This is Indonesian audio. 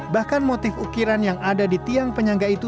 bahkan motif ukiran yang ada di tiang penyangga itu